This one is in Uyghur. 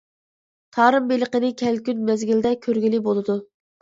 تارىم بېلىقىنى كەلكۈن مەزگىلىدە كۆرگىلى بولىدۇ.